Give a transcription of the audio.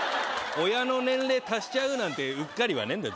親の年齢足しちゃうなんてウッカリはねえんだよ